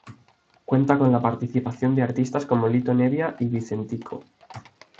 Cuenta con la participación de artistas como Litto Nebbia y Vicentico.